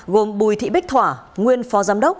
gồm bùi thị bích thỏa nguyên phó giám đốc